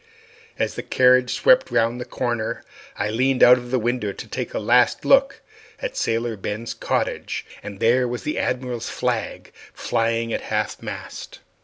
As the carriage swept round the corner, I leaned out of the window to take a last look at Sailor Ben's cottage, and there was the Admiral's flag flying at half mast.